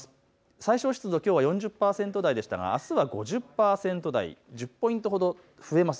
最小湿度きょうは４０％台でしたがあすは５０％台、１０ポイントほど増えます。